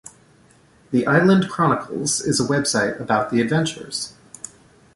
The Island Chronicles is a website about the adventures.